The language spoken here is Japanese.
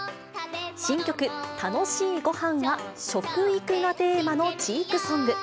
新曲、たのしいごはんは、食育がテーマの知育ソング。